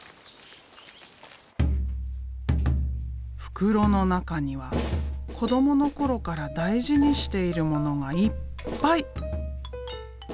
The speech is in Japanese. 袋の中には子どもの頃から大事にしているものがいっぱい。